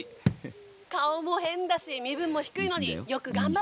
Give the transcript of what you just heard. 「顔も変だし身分も低いのによく頑張ってるわ」。